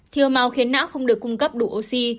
thiếu máu khiến não không được cung cấp đủ oxy